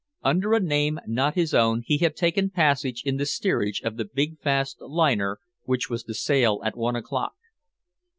Under a name not his own he had taken passage in the steerage of the big fast liner which was to sail at one o'clock.